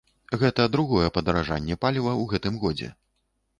Гэта другое падаражанне паліва ў гэтым годзе.